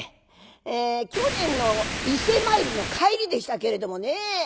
「へえ去年の伊勢参りの帰りでしたけれどもね